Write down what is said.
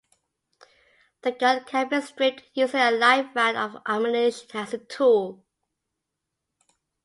The gun can be stripped using a live round of ammunition as a tool.